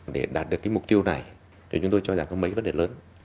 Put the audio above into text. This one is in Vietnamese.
để đạt được cái mục tiêu này thì chúng tôi cho rằng có mấy vấn đề lớn